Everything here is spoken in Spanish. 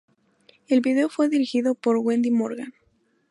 El video fue dirigido por Wendy Morgan.